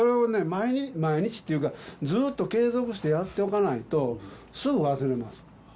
毎日毎日っていうかずっと継続してやっておかないとすぐ忘れます